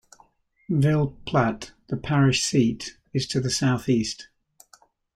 Ville Platte, the parish seat, is to the southeast.